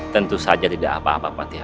tentu saja tidak apa apa